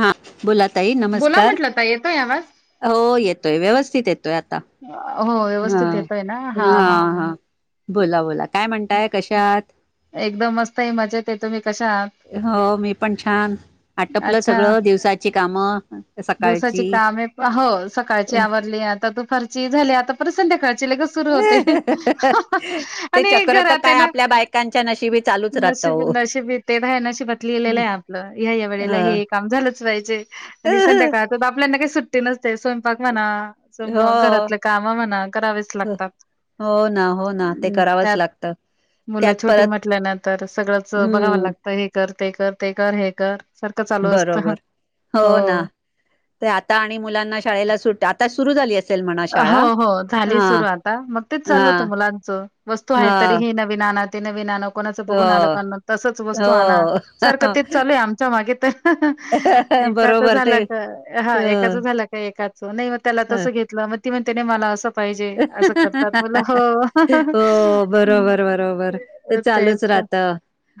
हा बोला ताई बोला नमस्कार. म्हटलं ताई येतोय आवाज? हो येतोय, व्यवस्थित येतोय आता. हो हा, व्यवस्थित येतोय ना हा- हा बोला, बोला काय म्हणताय? कशा आहात? एकदम मस्तय, मजेतय. तुम्ही कशा आहात? हो मी पण छान आटपलं अच्छा, सगळं दिवसाची कामं दिवसांचे सकाळची काम आहेत. हो सकाळची आवरली आता आता दुपारची झाली. आता परत संध्याकाळ ची लगेच सुरू होते [unintelligible] ते आणि चक्र तर घरातय काय ना आपल्या बायकांच्या नशिबी चालूच ते राहत हो नशीबी ते [unintelligible] नशीबात हं. लिहिलेलंय आपलं. ह्या या वेळेला हं. हे काम झालंच पाहिजे. आणि संध्याकाळ च त आपल्यांना काही सुट्टी न ते स्वयंपाक म्हणा, स मग हो घरातले काम म्हणा, करावेच हो लागतात. हो ना, हो ना, ते अं, त्यात करावंच लागतं. मुलं त्यात छोटी परत म्हटल्यानंतर सगळंच बघावं हम्म लागत. हे कर, ते कर ते कर, हे कर. सारखं चालू असतं बरोबर. हो ना, ते आता आणि मुलांना शाळेला सुट आताच हो हो झाली हा सुरू आता मग, तेच चालू हा होतं मुलांच. वस्तू हाय तरी हा हे नवीन आना नवीन आण कोणाच बघून आलं हो का तसच हो वस्तू आणा. सारखं तेच चालूय आमच्या मागे. [unintelligible] एकाच बरोबर ते झाला का, अ हा एकाच झाला का एकाचं नाही म त्याला अ. तस घेत [unintelligible] मग ती म्हणते नाही मला असं पाहिजे. असं करतात मुल, हो हो तेच तर आता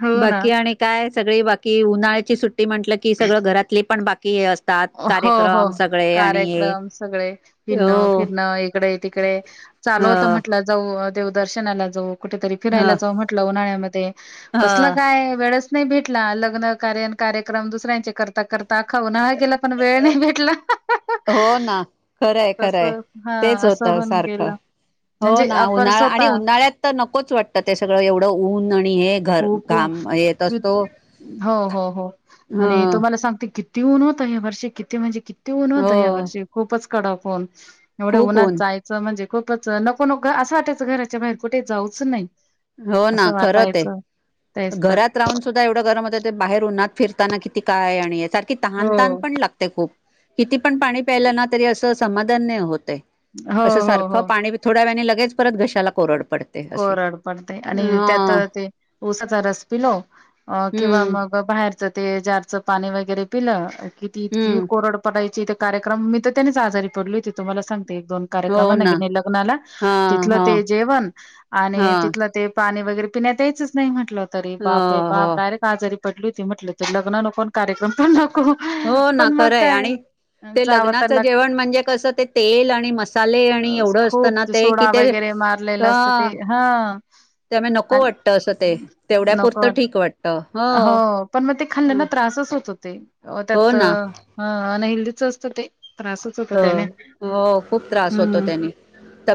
हो ना. बाकी आणि काय सगळी बाकी उन्हाळाची सुट्टी टी की म्हटलं की, सगळं घरातली पण बाकी हे असतात हो हो कार्यक्रम सगळे आणि हे कार्यक्रम सगळे, हिंडणं हो फिरण इकडे तिकडे ह चालू होत म्हटलं जाऊ, देव दर्शनाला जाऊं कुठेतरी फिरायला ह जाऊ म्हटलं उन्हाळ्यामध्ये. कसलं ह काय वेळच नाही भेटला. लग्न कार्य न कार्यक्रम दुसऱ्यांचे करता करता आख्खा उन्हाळा गेला पण वेळ नाही भेटला. [unintelligible] हो ना, खरंय- तस खरंय हा तेच असं होतं होऊन सारखं. गेलं हो म्हणजे ना, आपण उन्हाळा आणि स्वतः उन्हाळ्यात तर नकोच वाटतं ते सगळं एवढं ऊन आणि हे घर घाम येत असतो [unintelligible] हो हो हो ह आणि तुम्हाला सांगते कि किती ऊन होतं या वर्षी, किती म्हणजे किती ऊन हो होतं या वर्षी. खूपच कडक ऊन. एवढं खूप उन्हात ऊन जायचं म्हणजे खूपच नको नको घ असं वाटायचं, घराच्या बाहेर कुठे जाऊच नाही. हो ना असं खरं ते. वाटायचं तेच तर घरात राहून सुद्धा एवढ गरम होते त बाहेर उन्हात फिरताना किती काय आणि येता हो तहान तान पण लागते खूप. किती पण पाणी प्यायलं ना, तरी अस समाधान नाही होतं. हो अस हो सारखं हो पाणी थोड्या वेळाने लगेच परत घशाला कोरड पडते अशी कोरड पडते आणि त्यात हा ते उसाचा रस पिलो किंवा हम्म मग बाहेरचं ते जारचं पाणी वगैरे पिलं किती इतकी हम्म कोरड पडायची ते कार्यक्रम मी तर, त्यानीच आजारी पडल होती तुम्हाला सांग एक दोन हो कार्यक्रमांना ना गेले लग्नाला, हा तिथलं हा ते जेवण आणि हा तिथलं ते पाणी वगैरे पिण्यात यायचच नाही म्हटलं तरी, हो बाप रे हो बाप डायरेक्ट आजारी पडली होती म्हटलं ते लग्न नको अन ते कार्यक्रम पण नको, हो ना पण मग खरंय काय. आणि ते जावं तर लग्नाचं लाग जेवण म्हणजे कसं, ते तेल आणि मसाले आणि एवढं असत ना ते की ते मारलेलं असत ते ह, त्यामुळे नको वाटतं असं ते नको तेवढ्यापुरतं वाटत ठीक वाटतं हो पण मग ते खालं अ, ना त्रासच होत होते. त्यात हो ते ना अनहे च असत ते. त्रासच होत हो त्याने. हो खूप त्रास होतो हम्म त्यानी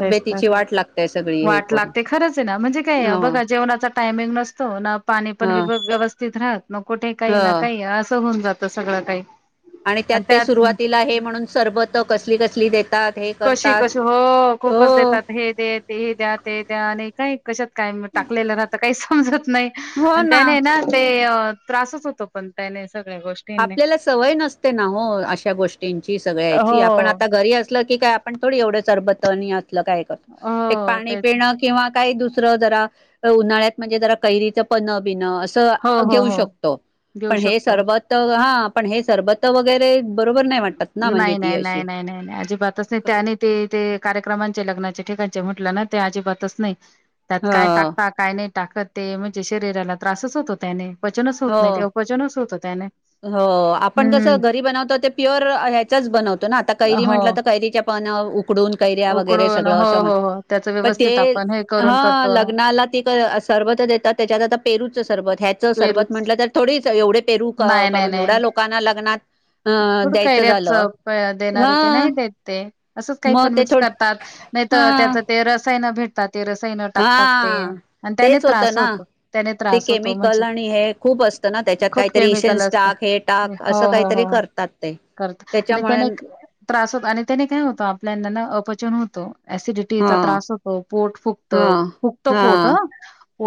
तेच तर वाट लागतेय सगळी हे वाट करून लागते. खरंचय ना, म्हणजे काय हो बघा जेवणाचा टायमिंग नसतो पुन्हा पाणी पण ह विभ व्यवस्थित राहत. न कुठे ह काही, ना काही, असं होऊन जात सगळं काही. आणि त्यात ते सुरुवातीला हे म्हणून सरबत कसली कसली देतात. हे करतात कशी-कशी हो हो खूपच देतात हे देत हे द्या ते द्या आणि काही कशात काय म टाकलेलं राहत काहीच समजत नाही आणि त्याने है ना ते त्रासच होतो पण त्याने. सगळ्या गोष्टींनी आपल्याला सवय नसते ना हो अश्या गोष्टींची हो सगळ्याची आपण आता घरी असलं ठिक आहे आपण थोडी एवढं सरबतन नी असलं काय करत एक हो पाणी तेच पिणं किंवा काही दुस जरा उन्हाळ्यात म्हंजे कैरीच पन्ह बीन अस त हो, हो, घेऊ हो. शकतो घेऊ पण हे शकतो. सरबत हां पण हे सरबत वगैरे [inaudible] ती अशी. नाही-नाही-नाही-नाही-नाही-नाही, अजिबातच नाही त्याने ते ते कार्यक्रमांचे लग्नाचे ठिकानचे मोट म्हटल ना ते अजिबातच नाही. त्यात काय हं, टाकता काय नाही टाक टाकत ते म्हणजे शरीराला त्रासच होतो, त्याने, पचनच होत हो, नाही, ते अपचनच होतं त्याने. हो आपण कस हं. घरी बनवतो ते प्युअरं अं ह्याचाच बनवतो ना, आता कैरी हो. म्हटलं तर कैरीच्या पण ऊक उकळुन कैऱ्या वगैरे उकडून सगळं हो, असं म्हण हो, हो. त्याचं प ते व्यवस्थित आपण हे ह करून करतो. लग्नाला ते क आत्ता सर्वच देतात, त्याच्यात आता पेरूचं सरबत ह्याचं सरबत पेरूच म्हटलं, तर थोडीच एवढे, पेरू काढू काढून एवढ्या लोकांना लग्नात अ थोड द्यायचं कैऱ्याच झालं अं देणार हा आहे ते, नाही देत ते असंच काही मग पण ते मिक्स थोड करतात नाही त हा तर त्याच ते रसायना भेटतात. ते रसायन टाकतात. ते हा आणि त्याने तेच होतं त्रास ना होतो, त्याने ते त्रास होतो केमिकल म्हणजे आणि हे खूप असतं ना त्याच्यात खूप काहीतरी केमिकल इशन्स असत. टाक हे हं टाक असं काहीतरी हो-हो-हो-हो. करतात ते करत आणि त्याच्यामुळे त्याने क त्रास होत. आणि त्याने काय होतो, आपल्याना ना अपचन होत, ऍसिडिटी हा चा त्रास होतो, पोट फुक्त हा फुक्तं हा पोट ह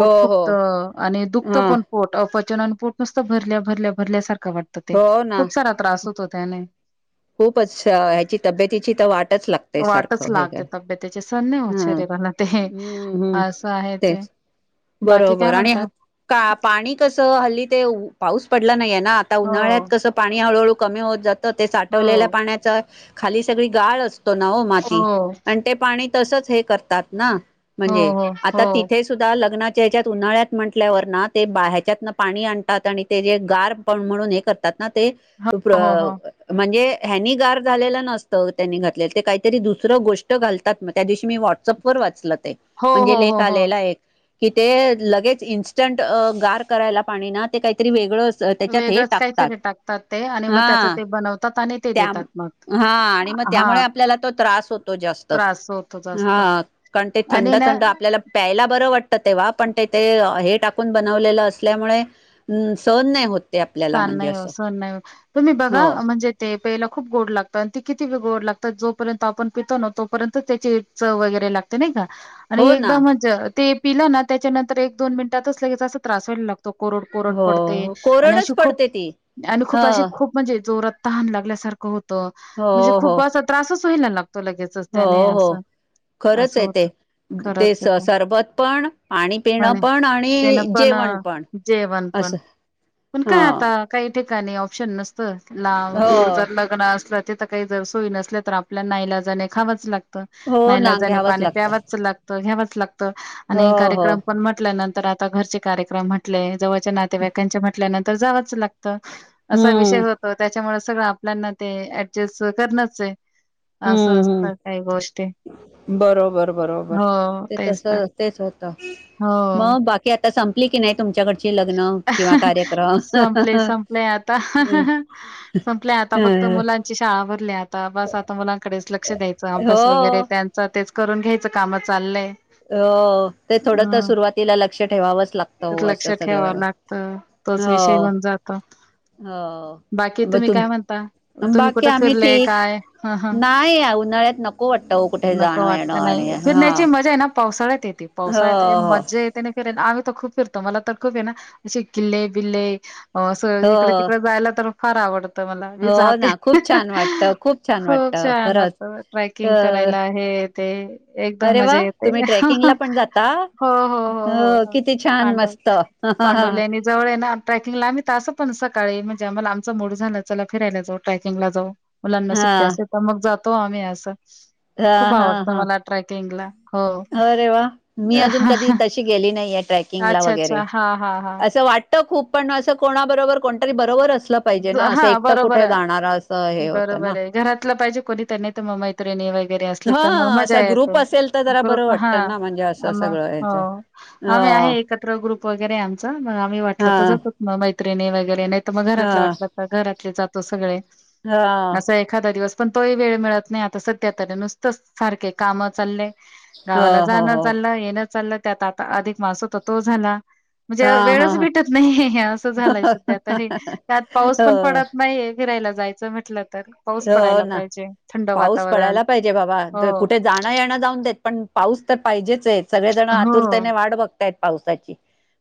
हो हो फुक्त आणि दुखतं हा पण पोट अपच चनान पोट नुसत, भरल्या-भरल्या भरल्यासारखं वाटतं ते हो ना खूप सारा त्रास होतो त्याने. खूपच, ह्याची तब्येतीची तर वाटच लागतेय सारखं हे का, पण ना, होचेरे होरे मला ते हम्म असं आहे ते. तेच बाकी काय बरोबर आणि म्हणता हं का पाणी कस, हल्ली तेउ पाऊस- पडलं नाहीे ना आता हो उन्हाळ्यात कसं, पाणी हळू-हळू कमी होत जातं. ते हो साठवलेल्या पाण्याचं खाली सगळी गाळ असतो ना हो, माती आणि ते पाणी तसच हे करतात ना, म्हणजे हो आता हो तिथे सुद्धा लग्नात. त्याच्यात उन्हाळ्यात म्हटल्यावर ना ते बा ह्याच्यात न पाणी आणतात. आणि ते जे गार पण म्हणून हे करतात. ना ते टू-ब्र हो हो म्हणजे. ह्यानी गार झालेलं नसतं. त्यांनी घातलेलं ते काहीतरी दुसरं गोष्ट घालतात मग, त्या दिवशी मी व्हॉट्सअप वर वाचल, ते हो म्हणजे हो लेख हो हो आलेला आहे. कि ते लगेच इन्स्टंटअं गार करायला पाणी ना ते काहीतरी वेगळं, त्याच्यात हे वेगळंच टाकतात काहीतरी टाकतात. ते आणि मग हा त्याच ते बनवतात आणि, ते त्या देतात मग हा, आणि मग हा त्यामुळे आपल्याला तो त्रास होतो जास्त. त्रास होतो जास्त हा. कारण ते आणि ना थंड-थंड आपल्याला प्यायला बर वाटत तेव्हा पण ते-ते हे टाकून बनवलेलं असल्यामुळे सहन नाही होत. ते आपल्याला सहन म्हणजे नाही हो असं सहन नाही हो. तुम्ही बघा हो म्हणजे, ते प्यायला खूप गोड लागतो. आणि ती किती बी गोड लागतात. जो पर्यंत आपण पितो ना, तो पर्यंत त्याची इ चव वगैरे लागते नाही का, आणि हो ना एकदम च ते पिलं ना त्याच्या नंतर, एक दोन मिनिटातच लगेच असं त्रास व्हायला लागतो. तो कोरड कोरड हो पडते. हो. आणि कोरडच अशी खूप पडते ती आणि ह खूप असे खूप म्हणजे जोरात तहान लागल्यासारखं होतं. हो म्हणजे हो खूप असा त्रासच व्हायला लागतो लगेचच हो त्याने हो असं खरंच असं हे ते. होत ते खरंच स आहे सरबत पण, पाणी पिणं पण आणि त्यान पण जेवण अ, पण, जेवण पण असं, पण हा काय आता, काही ठिकाणी ऑप्शन नसत लांब हो दूर जर लग्न असलं, तिथं काही जर सोय नसल्या तर आपल्याला नायलाजाणे खावंच लागत. हो ना नायलाजाणे घ्यावंच पाणी लागतं प्यावच लागत. घ्यावच लागत हो आणि हो कार्यक्रम पण म्हटल्यानंतर तर आता घरचे कार्यक्रम म्हटले, जवळच्या नातेवाईकांचे म्हटल्यानंतर जावच लागते. असा विषय हम्म होतो, त्याच्यामुळे सगळं आपल्यांना ते ऍडजस्ट करणच हे. अस हम्म असतं हम्म काही गोष्टी बरोबर बरोबर हो ते तेच तस तर अस तेच होत, मग बाकी आ- संपली की नाही. तुमच्याकडची लग्न अं किंवा हं हं कार्यक्रम हसंपले संपलंय आता हं हं संपले आता फक्त मुलांची शाळा भरली, आता बस आता मुलां, कडेच लक्ष द्यायचं हो अभ्यास वगैरे त्यांचा तेच करून घ्यायचं काम चाललंय अ ते थोडं तर हम्म सुरुवातीला लक्ष ठेवावंच लागतं हो अस ठेवा लागत तोच विषय होन जात हो बाकी ब तुम्ही तुम काय म्हणता तुम्ही बाकी कुठे आम्ही फिरलेय ठीक काय ह ह नाही उन्हाळ्यात नको वाटतं हो कुठे नको जाणं येणं वाटत आणि नाही हा फिरण्याची मजा आहे ना पावसाळ्यात येते हो पावसाळ्यात हो मजा येते नाही फिरेन आम्ही तर खूप फिरतो मला तर खूप आहे ना असे किल्ले बिल्ले स इकडे हो तिकडे जायला तर फार आवडत मला मी हो जाते ना खूप छान वाटतं छान खूप वाटतं छान खरंच वाटत ट्रेकिंग अ करायला आहे ते एकदम अरे वा मजा येते तुम्ही ट्रेकिंगला पण जाता हो हो हो किती हो छान पांडव मस्त हा पांडुलेनी जवळ ये ना ट्रेकिंगला आम्ही असतो पण सकाळी म्हणजे आम्हला आमच मड झालं चला फिरायला जाऊ ट्रॅकिंग ला जाऊ मुलांना सुट्ट असे हा तर मग तो आम्ही असं खूप हा हा आवडतं हा मला ट्रेकिंगला. हो. अरे वा मी अजून कधी तशी गेली नाही ट्रेकिंगला अच्छा, वगैरे अच्छा. हां, हां, हां. असं वाटत खूप पण अस कोणाबरोबर कोणतरी बरोबर अस हा बरोबर आहे असं हे होतं ना बरोबर आहे घरातलं पाहिजे कोणीत नाही तर मग मैत्रिणी वग वगैर अस हा तर मग असा मजा येत ग्रुप असेल तर जरा बरं ग्रुप हा वाटतं ना म्हणजे आ असं मग सगळं हो ह्याच ह आम्ही एकत्र ग्रुप वगैरे आमग आम्ही वाटलं हा तर जातो मग मैत्र वगैरे नाही मग घरत मला हा वाटतं घरात जात सगळे हा असा एखादा दिवस पण तोही वेळ मिळत नाही आता सध्या तरी नुसतच सारखे काम चालले गावाला हो हो जाणं हो चाललं येणं चाललं त्यात आता अधिक मास तर तो झाला हा म्हणजे हा वेळच हा भेटत नाही असं झालंय सध्या तरी पाऊस पण हो पडत नाहीये फिरायला जायचं म्हटलं तर पाऊस पडायला पाहिजे थंड वातावरण े हो बा कुठे जाण जाऊ [unintelligible] पण पाऊस तर पाहिजेच आहेत सगळे जण हो आतुरतेने वाढ बघताय पावसाची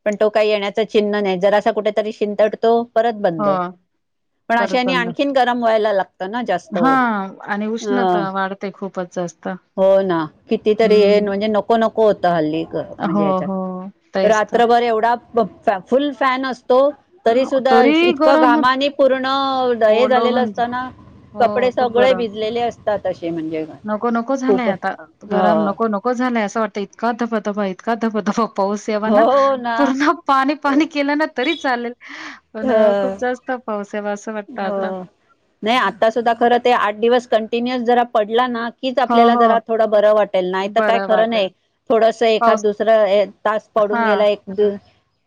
पण तो काही येण्याचं चिन्ह नाही जर असा कुठेतरी शिंतडतो परत हो बंद पण परत अशाने बंद आणखी गरम व्हायला लागता हा आणि उष्णता वाढते खूपच जास्त हो ना कितीतरी हे हम्म म्हणजे नको नको होत हल्ली हो म्हणजे हो हच्यात तेच तर रात्र बरोबर एवढा फुल फॅन असतो तो तरी सुद्धा तरी इतकं गरम घामानी पूर्ण हे ओल झालेलं होऊन जा- असताना हो कपडे खूप सगळे गरम भिजलेले असतात अस म्हणजे नको नको झालाय खूप ह मला तर वाटतं इतका दधबदमा इतका अधबादमा पाऊस यावा ना पूर्ण पाणी पाणी केलं ना तरी चालेल पण अ खूप जास्त पाऊस यावा असं वाटतं अ आता नाही आता सुद्धा खरं ते आठ दिवस कंटिन्युअस जरा पडला ना तिच हो आपल्याला हो जरा थोडं बरं वाटेल नाही तर काय बरं खरं वाटेल नाही थोडस एखाद पाऊस दुसरं तास पडून हा गेला एक दि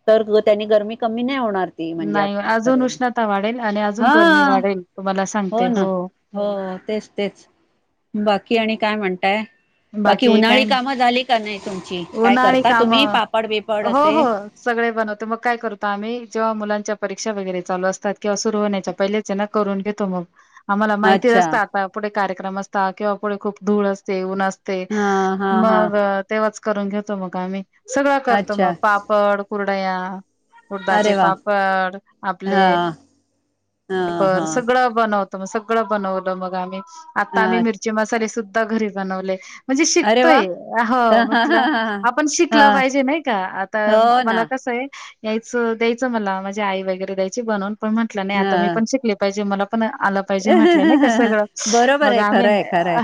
तर त्यांनी गरमी कमी नाही होणार ती म्हणजे नाही आपली अजून खरे उष्णता वाढेल आणि अजून हा गरमी वाढेल तुम्हाला हो सांगते ना हो तेच तेच बाकी की आणि काय म्हणताय बाकी काय उन्हाळी नाही कामं झाली का नाही तुमची काय उन्हाळी करता काम तुम्ही पापड बिपड हो असे हो सगळे बनवते मग काय करतो आम्ही जेव्हा मुलांच्या परीक्षा वगैरे चालू असतात किंवा सुरु होण्याच्या पहिलेचे ना करून घेतो मग आम्हाला माहिती अच्छा असता आता पुढे कार्यक्रम असता किंवा पुढे खूप धूळ असते ऊन अस ते हा हा हा मग तेव्हाच करून घेतो मग आम्ही सगळं करतो मग अच्छा पापड कुरडया उडदाचे अरे वा पापड हा आपले हा पर हा सगळं बनवत मग सगळं बनवलं मग आम्ही आता हा आम्ही मिरची मसाले सुद्धा घरी बनवले म्हणजे अरे वा शिकतोय हा हो हा म्हटलं हा आपण शिकलं हा पाहिजे नाही का आता हो मला ना कस होय यायचं द्यायचं मला माणजे आई वगैरे द्यायची बनवून,, पण म्हंटलं नाही हा आता मीऽऽ पाहिजे मला आपण आलं पाहिजे म्हटलं ना का सगळं बरोबर मग,,, आहे आम्ही खरं आहे खरं आहे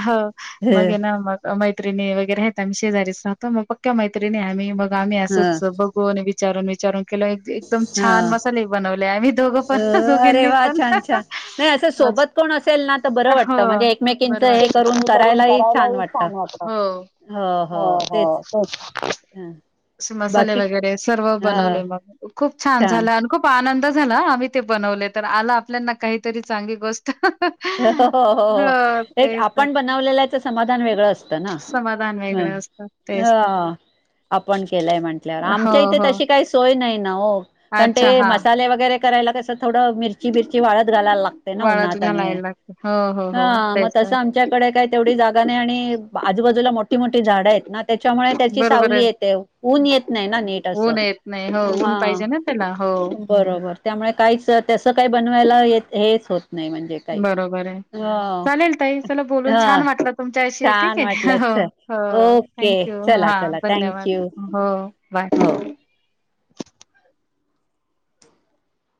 मग ये, ह ना,, मगऽळऽ मैत्रिणी वगैरे आहेत आमही शेजारीच राहतो,, मग पक्क मैतिणी आम्ही, मग आम्ही असच ह बघून विचारू विचारून विचारून केलं एकदम छान हा मसाले बनवले आमही दोघ पण, अ अरे दोघींनी.. वा पण छान छान नाही असं सोबत कोण असेल ना तर बरं हो वाटतं म्हणजे एकमेकींच बर हे वाटत करून कर.. करायलाही ला वाटतं छान होत हो हो तेच.. हा मसाले बाकी वगैरे सर्व बनवले मग खूप छान झालं आणि खूप आनंद झाला आम्ही ते बनवले तर आला आपल्याना काहीतरी चांगली गोष्ट. हो हो हो एक तेच तर आपण बनवलेलाच समाधान वेगळं असतं ना. समाधान वेगळं असतं तेच तर आऽऽऽ. आपण केलंय म्हंटल्यावर,, हो आमच्या इथे हो तशी काही सोय नाही ना ओ,,, कारण अच्छा ते हा मसाले वगैरेऽऽ करायला कसं थोडं मिरची बिरची व वाळत घायला लागते ना वाळत उन्हाात आणिऽऽ घालायला लागते हो हो हो हाऽऽ मग तेच तर तसं आमच्याकडे काही तेवढी जागा नाही आणि आजूबाजूला मोऽऽ मोठी मोठी झाडं आहेत ना,, त्याच्यामुळे त्याची बरोबर सावली आहे येते ऊन येत नाही ना नीट असं.. ऊन येत हो, ऊन हा पाहिजे ना त्याला. हो बरोबर त्यामुळे काहीच तस काही बनवायला हेच होत नाही म्हणजे काही.. रोबर आहे, हो चालेल ताई चला बोलून हा छान वाटलं तुमच्याशी ठीक छान आहे.. वाटलं हो, ओके थँक यू,, चला हा. चला धन्यवाद. थँक्यू हो, हो बाय.